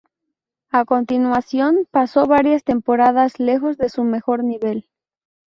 A continuación pasó varias temporadas lejos de su mejor nivel.